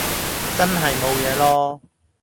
真係冇嘢囉